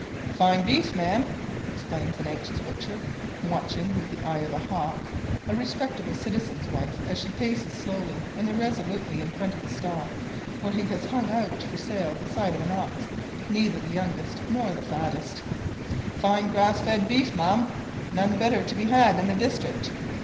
"Fine beef, ma'am," exclaims an anxious butcher, watching, with the eye of a hawk, a respectable citizen's wife, as she paces slowly and irresolutely in front of his stall, where he has hung out for sale the side of an ox, neither the youngest nor fattest. "Fine grass fed beef, ma'am none better to be had in the district.